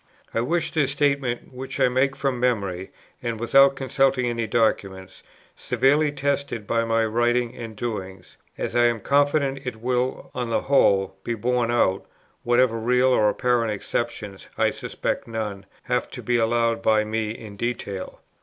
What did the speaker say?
"I wish this statement, which I make from memory, and without consulting any document, severely tested by my writings and doings, as I am confident it will, on the whole, be borne out, whatever real or apparent exceptions (I suspect none) have to be allowed by me in detail.